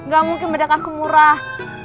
gak mungkin bedak aku murah